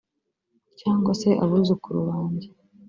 Cyangwa se abuzukuru banjye